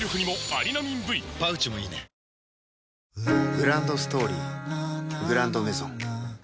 グランドストーリー「グランドメゾン」